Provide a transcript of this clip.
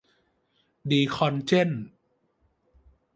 ดีคอลเจน